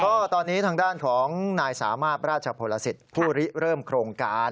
ก็ตอนนี้ทางด้านของนายสามารถราชพลสิทธิ์ผู้ริเริ่มโครงการ